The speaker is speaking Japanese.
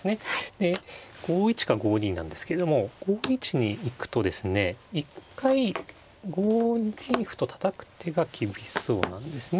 で５一か５二なんですけれども５一に行くとですね一回５二歩とたたく手が厳しそうなんですね。